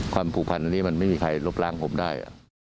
ความประพันธ์ในนี้มันไม่มีใครลบล้างผมได้